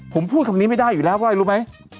ผมพูดคำนี้ไม่ได้อยู่แล้วเพราะอะไรรู้ไหม